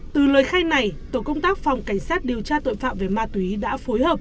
từ lời khai này tổ công tác phòng cảnh sát điều tra tội phạm về ma túy đã phối hợp